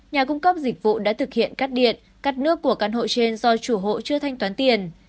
nhà cung cấp dịch vụ đã thực hiện cắt điện cắt nước của căn hộ trên do chủ hộ chưa thanh toán tiền